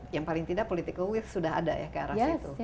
yang paling tidak political will sudah ada ya ke arah situ